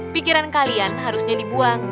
pikiran kalian harusnya dibuang